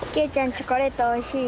チョコレートおいしい？